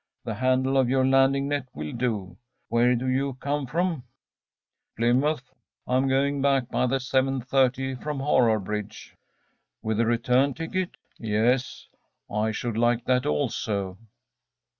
The handle of your landing net will do. Where do you come from?‚ÄĚ “Plymouth. I am going back by the seven thirty from Horrabridge.‚ÄĚ “With a return ticket?‚ÄĚ ‚ÄúYes.‚ÄĚ “I should like that also.